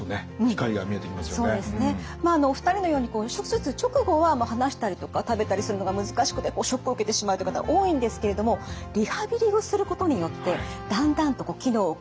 お二人のように手術直後は話したりとか食べたりするのが難しくてショックを受けてしまうという方多いんですけれどもリハビリをすることによってだんだんと機能を回復するという方が多いそうなんです。